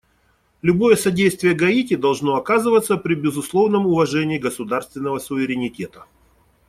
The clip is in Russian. Любое содействие Гаити должно оказываться при безусловном уважении государственного суверенитета.